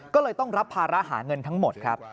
ก็เลยต้องรับภาระหาเงินทั้งหมดครับ